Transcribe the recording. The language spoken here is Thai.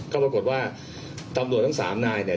ก็ปรากฏว่าตำรวจทั้งสามนายเนี่ย